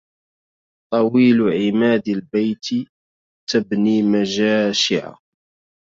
طويل عماد البيت تبني مجاشع